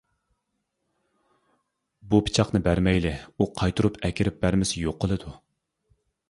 — بۇ پىچاقنى بەرمەيلى، ئۇ قايتۇرۇپ ئەكىرىپ بەرمىسە يوقىلىدۇ.